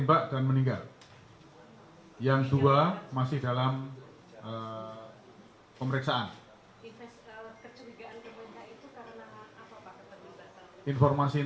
kak dan m ini termasuk sudah di pihak ke nusa kampangan